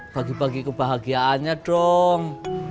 bagi bagi kebahagiaannya dong